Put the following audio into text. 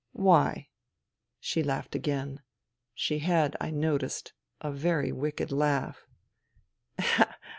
" Why ?" She laughed again. She had, I noticed, a very wicked laugh.